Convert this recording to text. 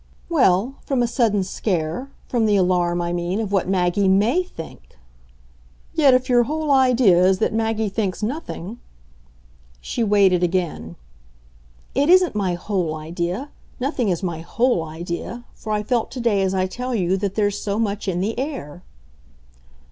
"Well, from a sudden scare. From the alarm, I mean, of what Maggie MAY think." "Yet if your whole idea is that Maggie thinks nothing ?" She waited again. "It isn't my 'whole' idea. Nothing is my 'whole' idea for I felt to day, as I tell you, that there's so much in the air."